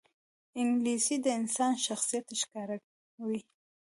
انګلیسي د انسان شخصیت ښکاروي